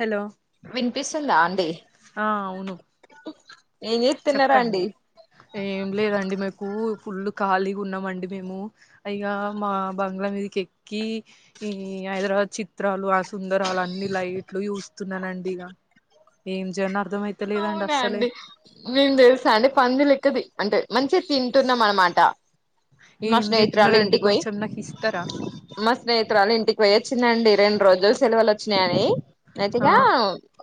Hello వినిపిస్తుందా అండి అవును ఏం చేస్తున్నారా చెప్పండి అండి ఏం లేదండి మేకు ఫుల్ ఖాళీగ ఉన్నామండి మేము. ఇగా మా బంగ్లా మీదకి ఎక్కి ఈ హైదరాబాద్ చిత్రాలు ఆ సుందరాలు అన్ని లైట్లు చూస్తునానండి ఇగ ఏం జనార్డ్ అవునా అండి, నేను తెల్సా అండి పంది లెక్కది. అంటే మంచిగా తింటున్నాం అనమాట. మా ఏమి స్నేహితురాలు తింటున్నరండి ఇంటికి పోయి కొంచెం నాకి ఇస్తరా. మా స్నేహితురాలు ఇంటికి పొయ్యించినండి రెండ్ రోజులు సెలవలు వచ్చినాయని ఆ అతిగా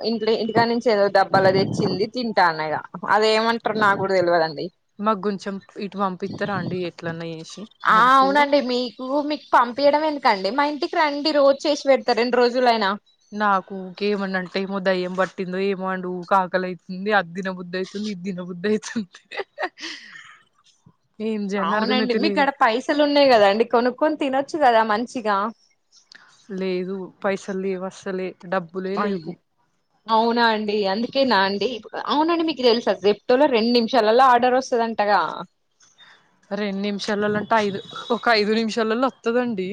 ఇంట్లె ఇంటికానించి ఏదో డబ్బాలో తెచ్చింది తింటనగా అదేమంట్రో నాకు కూడ తెలువదండి. మాకు గొంచం ఇటు పంపిస్తరా అండి ఎట్లన్నా చేసి ఆ నాకు అవునండి మీ యో మీకు పంపియడం ఎందుకండి మా ఇంటికి రండి రోజు చేసి పెడతా రెండు రోజులైనా నాకు కేమనంటే. ఏమో దయ్యం పట్టిందో ఏమోంది ఊకె ఆకలైతుంది అద్దినబుడైత్ తుంది తిన బుద్ది అయిత ఏం చేయనో అర్థమై అవునండి లేదు మీకాడ పైసలు ఉన్నాయి కదా అండి కొనుక్కొని తినొచ్చు కదా మంచిగా. లేదు పైసల్లేవ్ అస్సలే డబ్. అయ్యో, అవునా అండి అందుకేన అండి అవునండి మీకు తెలుస జెప్టోలో రెండు నిమిషాలలో ఆర్డర్ వస్తుందంటగా రెండు నిమిషాలలో అంటే ఐదు ఒక ఐదు నిమిషాలలో వస్తుదండి.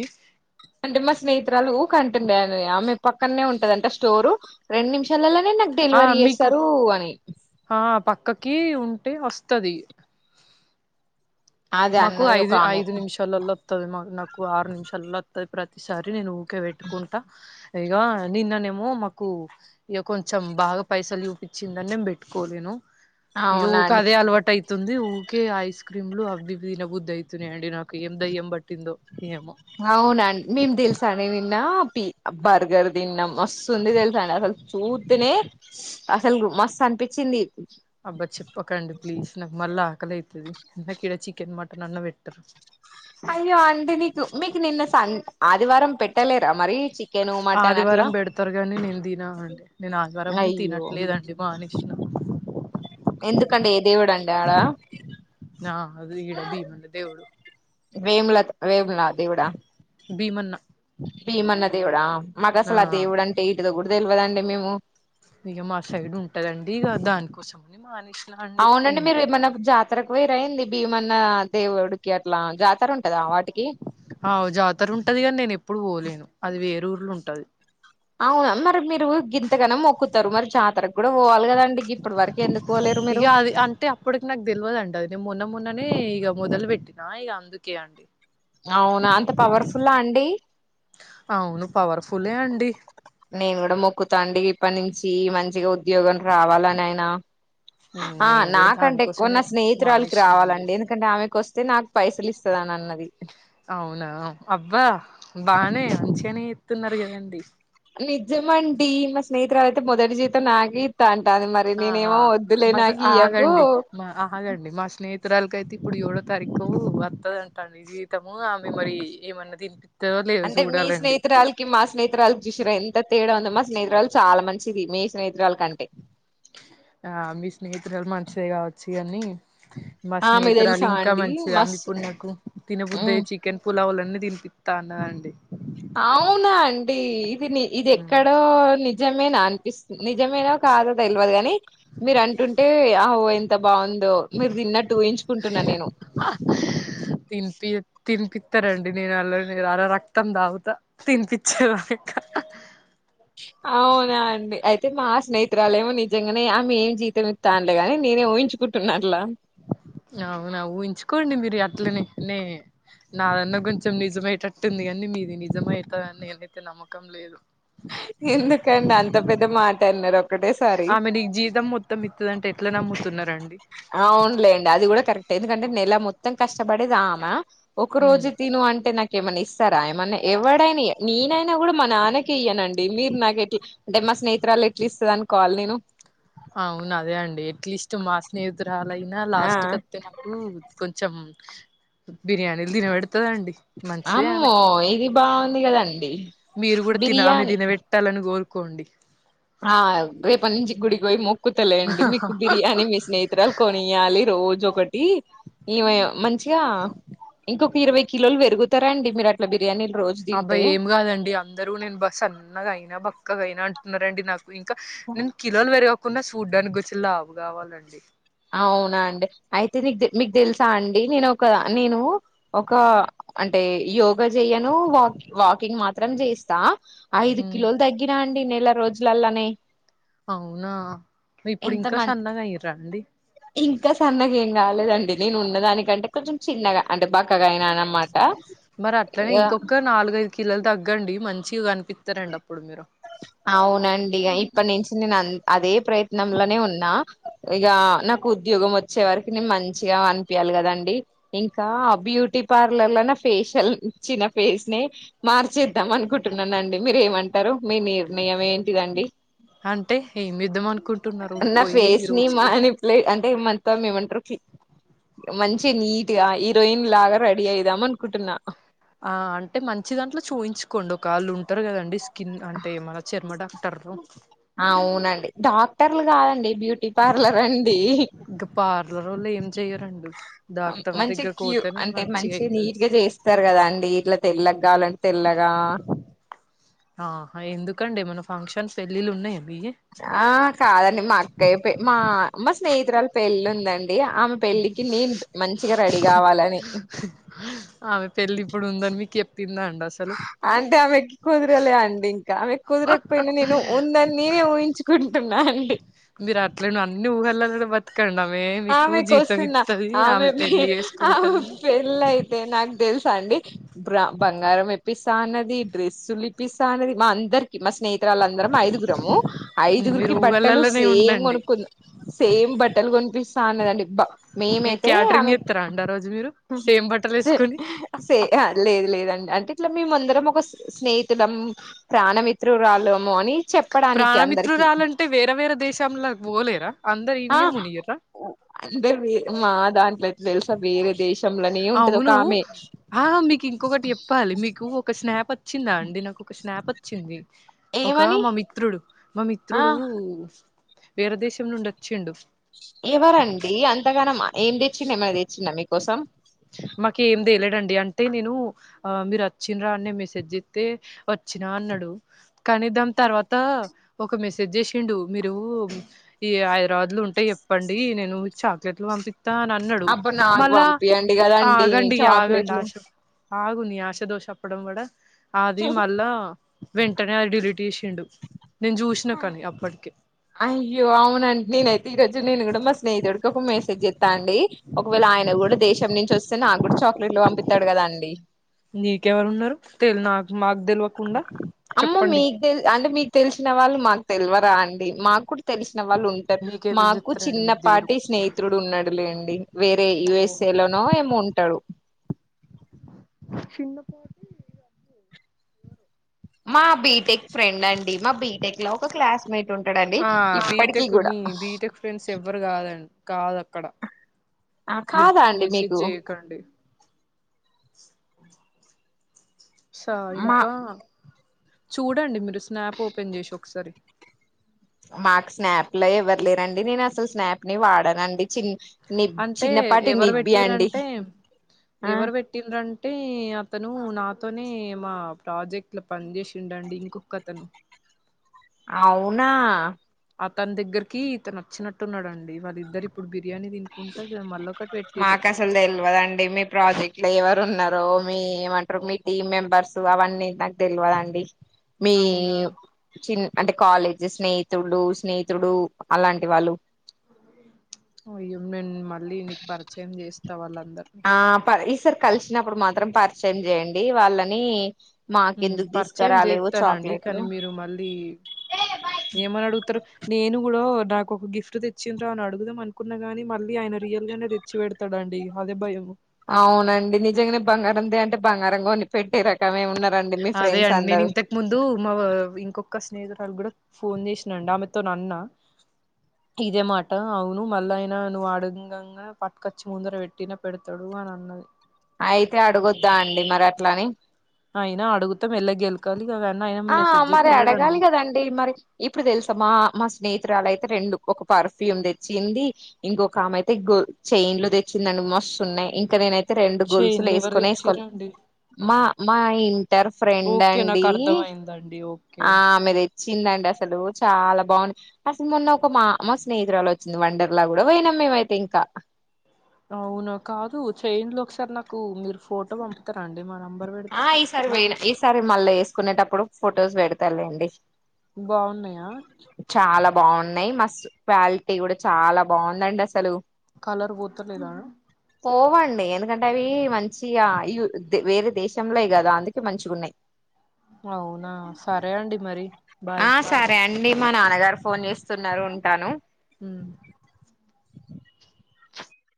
అంటే మా స్నేహితురాలు ఊక అని ఆమె పక్కనే ఉంటదంట స్టోరు రెండు నిమిషాలలో నే నాకు ఆ డెలివరీ మీకు చేస్తారు అని ఆ పక్కకి ఉంటే వస్తది అదే మాకు అన్నది ఒక ఐదు ఆమె ఐదు నిమిషం తలలో వస్తది మా నాకు ఆరు నిమిషల్లో వస్తాది ప్రతిసారి నేను ఊరికే పెట్టుకుంటా పైగ నిన్ననేమో మాకు ఇగ కొంచెం బాగ పైసలు చూపించిందన్ని దణ్ణం పెట్టుకోలేను. ఇది అవునా ఊక అండి అదే అలవాటు అయితుంది ఊకే ఐస్ క్రీమ్లు అవి దిన బుద్ధి అయితునయండి నాకు ఏం దయ్యం పట్టిందో ఏమో. అవునండి మేము తెలుసానే మేమ్ నిన్న ప బర్గర్ తిన్నాం మస్తుంది తెలుసంద్ అసలు చుత్తినే అసలు మస్తు అనిపించింది అబ్బా చెప్పకండి ప్లీజ్. నాకు మళ్ళీ ఆకలైతది నాకి ఇడ చికెన్ మటన్ అన్న పెట్టరు. అయ్యో అండి నీకు మీకు నిన్న సన్ ఆదివారం పెట్టలేరా మరి చికెను మటన్ అట్లా ఆదివారం బేడతారుగాని నేను తిననండి నేను ఆదివారం అయ్యో తినట్లేదండి మానేషన ఎందుకండి ఏ దేవుడు ఆడ ఆ అ ఈడ భీమన్నా దేవుడు వేముల త్ వేముల దేవుడ భీమన్నా భీమన్న దేవుడా? మాకు అసలు ఆ దేవుడు అంటే ఏంటిదో కూడా తెలువదండి మేము ఇక మా సైడ్ ఉంటదండి, ఇక దానికోసం అని మానేసిన అండి ఏం చేయాలి. తరకు వేరు అయింది భీమన్న దేవుడికి అట్లా జాతర ఉంటందా వాటికి ఆవ్ జాతర ఉంటది కాని నేను ఎప్పుడు పోలేను అది వేర ఊర్లో ఉంటది అవునా మరి మీరు గింతగనం మొక్కుతారు మరి జాతరకూ కూడా పోవాలి కదండి ఇప్పడు వరకు ఎందుకు పోలేరు ఇగ మీరు అది అంటే అప్ ఇప్పటికి నాకు తెలియదండి అది నేను మొన్న మొన్ననే ఇక మొదలు పెట్టినా ఇక అందుకే అండి అవునా అంత పవర్ఫుల్లా అండి అవును పవర్ఫుల్లే అండి నేను కూడా మొక్కుతాండి ఇప్పటి నుంచి మంచిగా ఉద్యోగం రావాలనియనా నేను కూడా నా దానికోసమే స్నేహితురాలికి మానేసిన అండి రావాలండి ఎందుకంటే ఆమెకు వస్తే నాకు పైసలు ఇస్తానం అన్నది అవునా అబ్బా బానే అంచిగన ఎత్తున్నారు కదండి నిజమండి మా స్నేహితురాలు అదైతే మొదటి జీవితం నాగే ఇత్త అంటా అది మరి ఆ నేనేమో వద్దులే నాకు ఇయకు అహాగండి మా స్నేహితురాలకయితే ఇప్పుడు ఏడో తారీఖు వస్తదంటాండి జీవతము ఆమె మరి ఏమన్నా దినిపిత్ అంటే మీ స్నేహతురాలు మా స్నేహితురాాలకి చూసారా ఎంత తేడా ఉంది మా స్నేహితురాళకి చాలా మంచిది మీ స్నేహితురాలు కంటే ఆ మీ స్నేహితురాలు మంచిది కావచ్చు కాని మా ఆ మీకు స్నేహతురాలు తెలుసా ఇంకా అండి మంచిది ఆమె మస్ ఇప్పుడు నాకు తిన్న బుది ఏ మ్మ్ చిక్ చికెన్ పులావులన్నీ తినిపిస్తా అన్నండి అవునా అండి ఇది ఇది ఎక్కడో నిజమేనా నిజమేన కాదో తెలియదు కాగాని మీరు అంటుంటే అ ఊహ ఎంత బాగుందో మీరు తిన్నట్టు ఉహించుకుంటున్న నేను తినిపి తినిపిస్తారండి నేను అల అలా రక్తం దాగుతా తినిపిచేదాకా అవునా అండి అయితే మా స్నేహితురాలేమో నిజంగానే ఆమె ఏం జీతం తాండ గాని నేనే ఊహించుకుంటున్నలా అవునా ఊహంచుకోండి మీరు అట్లనే ట్నే నాదన్న కొంచెం నిజమయటట్టుంది కానీ మీది నిజమవుత అని నేనైతే నమ్మకం లేదు ఎందుకండి అంత పెద్ద మాట అన్నారు ఒక్కటేసారి ఆమె నీకు జీతం మొత్తం ఇత్తదంటే ఎట్లా నమ్ముతున్నారండి అవునులేండి అది కూడా కరెక్ట్ ఎందుకంటే నెల మొత్తం కష్టపడేది ఆమె ఒక ఉమ్ రోజు తిను అంటే నాక్ ఏమన్నా ఇస్తారా ఏమన్నా ఎవడైనా ఈయడ్ నేనైనా కూడా మా నాన్నకే ఇయ్యానండి మీరు నాకు ఎట్లా నేను మా స్నేహితురాలు ఎట్ల ఇస్తుంది అను కోవాలి నేను అవును అదే అండి ఎట్లీస్ట్ మా స్నేహితురాలయినా ఆ లాస్ట్ క అయితే నాకు కొంచెం బిర్యానీలు తినబెడుతుందండి మంచిది ఆమె అమ్మో ఇది బాగుంది కదండి మీరు కూడా తిన ఆమె బిర్యానీ తినబెట్ ట్టాలని కోరుకోండి ఆ రేపటి నుంచి గుడికి పోయి మొక్కుతలేండి మీకు బిర్యానీ మీ స్నేహితురాలు కొనియ్యాలి రోజు ఒకటి ఈమె మంచిగా ఇంకొక ఇరవై కిలోలు పెరుగుతారండీ మీరు అట్లా బిర్యానీలు రోజు తింటే అబ్బాఏం కాదండి అందరూ నేను బాగా సన్నగైన బక్కగైన అంటున్నారండి నాకు ఇంకా నేను కిలోలు పెరుగకున్న చూడ్డానికి కొంచెం లావు కావాలండి అవునా అండి అయితే నీకు మీకు తెలుసా అండి నేను ఒక నేను ఒక అంటే యోగా చెయ్యను వా వాకింగ్ మాత్రం చేస్తా ఐదు ఉమ్, కిలోలు తగ్గి గిన అండి నెల రోజులల్లనే అవునా ఇప్పుడు ఎంత ఇంకా మం సన్నగా అయ్యరా అండి ఇంకా సన్నగా ఏం కాలేదండి నేను ఉన్న దానికంటే కొంచెం చిన్నగా అంటే బక్కగా అయినా అన్నమాట మరి అట్లనే ఇగ ఇంకొక నాలుగైదు కిలోలు తగ్గండి మంచి కనిపిస్తారండి అప్పుడు మీరు అవునండి ఇప్పటి నుంచి నేను అదే ప్రయత్నంలనే ఉన్నా ఇగా నాకు ఉద్యోగం వచ్చే వరకి నేను మంచిగా అనిపియాలి కదండీ ఇంకా ఆ బ్యూటీ పార్లర్ల నా ఫేషియల్ ఛీ నా ఫేస్ ని మార్చేద్దాం అనుకుంటున్నానండి మీరేమంటారు మీ నిర్ణయం ఏంటిదండి అంటే ఏం చేద్దాం అనుకుంటున్నారు పోయి మీరు వచ్చి లే అంటే మంతా మేమంటారు మంచి నీటిగా హీరోయిన్ లాగా రెడీ అయిదాం అనుకుంటున్నా ఆ అంటే మంచి దాంట్లో చూయించుకోండి ఒకవాళ్లు ఉంటారు కదండి స్కిన్ అంటే మన చర్మ డాక్టర్ను ఆ అవునండి డాక్టర్లు కాదండి బ్యూటీ పార్లర్ అండి ఇంకా పార్లర్ వాళ్ళు ఏం చేయరండి డాక్టర్ల మంచి దగ్గరకి పోతేనే మంచిగా అయితది వస్తారు కదా అండి ఇట్లా తెల్లగా కావలంటే తెల్లగా ఆ ఎందుకండి మన ఫంక్షన్స్ పెళ్లిళ్లు ఉన్నాయ మీయి ఆ కాదండి మా అక్కయ్య మా మా స్నేహితురాలు పెళ్ళి ఉందండి ఆమె పెళ్ళికి నేను మంచిగా రెడీ కావాలని ఆమె పెళ్లి ఇప్పుడుందని మీకు చెప్పిందా అండి అసలు అంటే ఆమెకి కుదరలే అండి ఇంకా ఆమెకి కుదరకపోయినా నేను ఉందని నేనే ఊహించుకుంటున్నా అండి మీరు అట్లే అన్ని ఊహలల్లనే బ్రతు ఆమె మీకు ఆమెకు జీతం వస్తున్న ఇస్తది ఆమె పెళ్లి ఆమె వేసుకుంటంది పెళ్ళ అయితే నాకు తెల్సా అండి బ బంగారం ఇప్పిస్తా అన్నది డ్రెస్సులు ఇప్పిస్తా అన్నది మా అందరికి మా స్నేహి హితురాళ్ళం ఐదుగురము ఉమ్, మీరు ఐదుగురికి బట్టలు ఊహలలోనే సేమ్ ఉండండి కొనుక్కు సేమ్ బట్టలు కొనిపిస్ అన్నదండి బ్బా ఏం మేమైతే క్యాటరింగ్ ఆమెకి చేత్తరా అండి ఆ రోజు మీరు సేమ్ బట్టలు వేసుకొని సే లేదు లేదండి అంటే ఇట్లా మేమందరం ఒక స్నేహితులం ప్రాణ మిత్రురాలము అని చెప్పడానికి అందరికి ప్రాణమిత్రురాలంటే వేరే వేరే దేశంలా పోలేరా అందరు ఈన్నే మునిగిరా అందరూ మా దాంట్లో ఎట్లా తెలుసా వేరే దేశం అవును ఆ మీకు ఇంకొకటి చెప్పాలి మీకు ఒక స్నాప్ వచ్చిందా అండి నాకు ఒక స్నాప్ వచ్చింది ఒక ఏమని మా మిత్రుడు మా ఆ మిత్రుడు వేరే దేశం నుండి వచ్చిండు ఎవరండీ అంతగనం ఏం తెచ్చిండు ఏమైనా తెచ్చిండా మీకోసం మాకు ఏం తేలేడండి అంటే నేను ఆ మీరు వచ్చిన్రా అని నేన్ మెసేజ్ చేస్తే వచ్చినా అన్నాడు కానీద్దాం తర్వాత ఒక మెసేజ్ చేసిండు మీరు ఈ హైదరాబాద్లు ఉంటే చెప్పండి నేను చాక్లెట్లు పంపిస్తా అని అన్నాడు అబ్బ నాకు మళ్ళా పంపియండి కదండి ఆగండి ఆగండి చాక్లెట్లు ఆశ ఆగునీ ఆశదో షప్పడం కూడా అది మళ్ళా వెంటనే అది డిలీట్ చేసిండు నేను చూసినా కానీ అప్పటికి అయ్యో అవునండి నేనైతే ఈ రోజు నేను కూడా మా స్నేహితుడికి ఒక మెసేజ్ చెస్తా అండి ఒకవేళ ఆయన కూడా దేశం నుంచి వస్తే నాకు కూడా చాక్లెట్లు పంపిస్తడు కద అండి నీకెవరున్నారు తె నాకు మాకు తెలియకుండా అమ్మ చెప్పండి మీకు అంటే మీకు తెలిసిన వాళ్ళు మాకు తెలివరా అండి మాకు కూడా తెలిసిన వాళ్ళు ఉంటరు మీకెందుకు మాకు చెప్తారండి మీకు దేరు చిన్నపాటి స్నేహితుడు ఉన్నడులేండి వేరే యుఎస్ఏ లోనో ఏమో ఉంటాడు చిన్నపాటు మా బీటెక్ ఫ్రెండ్ అండి మా బీటెక్ లో ఒక క్లాస్ మేట్ ఉంటడండి ఆ ఇప్పటికి బీటెక్ కూడా నీ బీటెక్ ఫ్రెండ్స్ ఎవ్వరు కాదండి కాదక్కడ ఆ కాదా అండి మీకు కడ్డి స మా ఇంకా చూడండి మీరు స్నాప్ ఓపెన్ చేసి ఒకసారి మాకు స్నాప్ల ఎవ్వరులేరండి. నేను అసలు స్నాప్ ని వాడనండి చిన్ నిబ్ అంటే చిన్నపాటి ఎవరు నిబ్బి అండి పుట్టిండంటే అతను నాతోనే మా ప్రాజెక్ట్ లో పనిజేసిండండి ఇంకొక అతను అవునా అతని దగ్గరికి ఇతను వచ్చినట్టున్నడండి వాళ్ళిద్దరి ఇప్పుడు బిర్యానీ తినుకుంట మళ్ళొకటి పెట్టిర్రు మాకు అసలు తెలివదండి మీ ప్రాజెక్ట్ లో ఎవరు ఉన్నారో మీ ఏమంటారు మీ టీమ్ మెంబర్స్ అవన్నీ నక్ తెల్వదఅండి మీ అవునా చిన్ అంటే కాలేజీ స్నేహితుడు స్నేహితుడు అలాంటి వాళ్ళు అయ్యుం నేన్ మళ్ళీ నీకు పరిచయం చేస్తా వాళ్ళందరు ఆ పర్ ఈసర్ కలిసినప్పుడు మాత్రం పరిచయం చేయండి వాళ్ళని మాకెందుకు పరిచయం తీసుకురాలేవు జేతనండి చాక్లెట్లు కనీ మీరు మళ్ళీ ఏమని అడుగుతరు నేను కూడా నాకు ఒక గిఫ్ట్ తెచ్చిండ్రా అని అడుగుదాం అనుకున్నాగాని మళ్ళీ ఆయన రియల్ గానే తె చ్చిపెడతడండి అదే భయం అవునండి నిజంగానే బంగారం తే అంటే బంగారంగొని పెట్టే రకమే ఉన్నారండి మీ అదే ఫ్రెండ్స్ అండి. నేను అందరు ఇంతకు ముందు మా ఇంకొక స్నేహితురాలు కూడా ఫోన్ చేసినండి ఆమెతోనన్న ఇదే మాట అవును మళ్ళైనా నువ్వు ఆడుగంగగా పట్టుకచ్చి ముందర పెట్టిన పెడతాడు అని అన్నది అయితే అడుగోద్దా అండి మరట్లని అయినా అడుగుత మెల్లగెలు కలిగా కన్నయ ఆ మరి అడగాలి కదండి మరి ఇప్పు తెలుసా మా మా స్నేహితురాలైతే రెండు ఒక పర్ఫ్యూమ్ తెచ్చింది ఇంకొక ఆమే అయితే గో చైన్లు తెచ్చిందండి మస్తు ఉన్నాయి ఇంకా నేనైతే రెండు గొలుసులు చైన్లు ఎవరు ఎసుకొనే ఎసుకోలే తెచ్చిర్రండి? మా మా ఇంట్ ట్టరు ఫ్రెండ్ అండి దండి పో ఆ ఆమె దెచ్చిందండి అసలు చాలా బాగుంది అసలు మొన్న ఒక మా మా స్నేహితురాలు వచ్చింది వండర్లా కూడా పోయినాం మేమైతే ఇంకా అవునా కాదు చేన్లో ఒకసారి నాకు మీరు ఫోటో పంపు తరండి మా నంబర్ వపెడతా నాకూ సరే మళ్ళ వేసుకునేటప్పుడు ఫోటోస్ పెడతాలేండి బాగున్నాయా చాలా బాగున్నాయ్ మస్ క్వాలిటీ కూడా చాలా బాగుందండి అసలు కలర్ పోతలేదా పోవండి ఎందుకంటే అవి మంచిగా వేరే దేశంలోయి కదా అందుకే మంచిగున్నయ్ అవునా సరే అండి మరి ఆ బాయ్ సరే అండి మా నాన్నగారు ఫోన్ చేస్తున్నారు ఉంటాను హుమ్